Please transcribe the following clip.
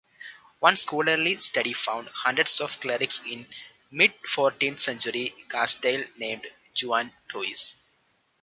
One scholarly study found hundreds of clerics in mid-fourteenth-century Castile named Juan Ruiz.